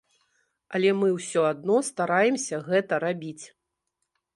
Але мы ўсё адно стараемся гэта рабіць.